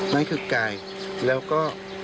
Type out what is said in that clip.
นั่นคือกายแล้วก็